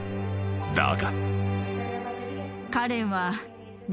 ［だが］